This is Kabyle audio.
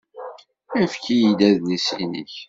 Efk-iyi-d adlis-nnek.